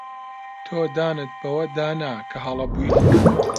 تۆ دانت بەوەدا نا کە هەڵە بوویت.